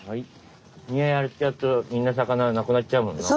身やっちゃうとみんな魚なくなっちゃうもんな。